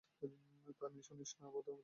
কানেই শুনিস না, আর আমাদের উপর চিল্লাচ্ছিস।